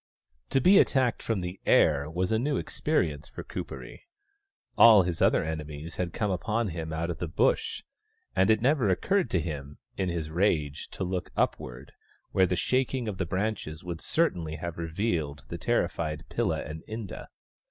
To be attacked from the air was a new experience for Kuperee. All his other enemies had come upon him out of the Bush, and it never occurred to him, in his rage, to look upward, where the shaking of the branches would certainly have revealed the terrified Pilla and Inda.